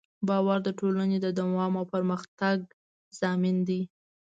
باور د ټولنې د دوام او پرمختګ ضامن دی.